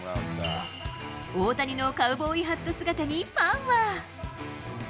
大谷のカウボーイハット姿にファンは。